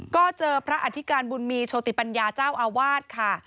ก็เจอพระอธิการบุญมีโชติปัญญาเจ้าอาวาสค่ะ